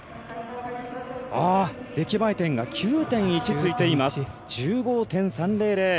出来栄え点が９．１ついています。１５．３００。